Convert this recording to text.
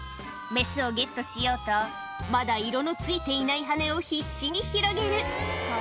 雌をゲットしようと、まだ色のついていない羽を必死に広げる。